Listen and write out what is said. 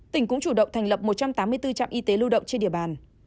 tỉnh cũng chủ động thành lập một trăm tám mươi bốn trạm y tế lưu động trên địa bàn